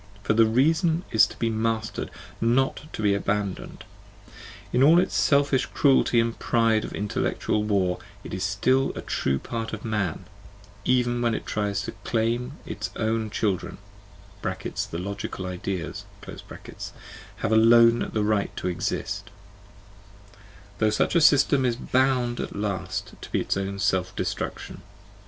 For the reason is to be mastered, not to be abandoned; in all its selfish cruelty and pride of intellectual war it is still a true part of man, even when it tries to claim that its own children (the logical ideas) have alone the right to exist, though such a system is bound at last to be its own destruction.